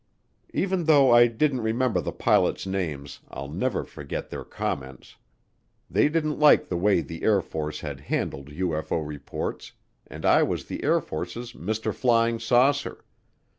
Even though I didn't remember the pilots' names I'll never forget their comments. They didn't like the way the Air Force had handled UFO reports and I was the Air Force's "Mr. Flying Saucer."